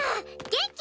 元気？